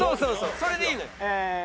それでいいのよ。